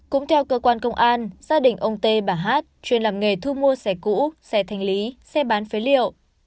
cũng theo cơ quan công an gia đình ông tê bà hát chuyên làm nghề thu mua xe cũ xe thành lý xe bán phế liệu